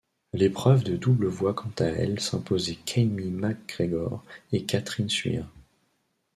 L'épreuve de double voit quant à elle s'imposer Cammy MacGregor et Catherine Suire.